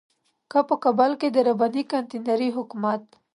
که په کابل کې د رباني کانتينري حکومت.